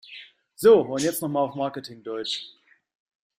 So, und jetzt noch mal auf Marketing-Deutsch!